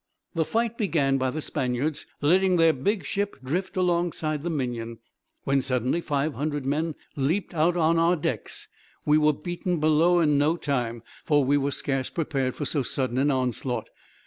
"The fight began by the Spaniards letting their big ship drift alongside the Minion; when, suddenly, 500 men leapt out on our decks. We were beaten below in no time, for we were scarce prepared for so sudden an onslaught.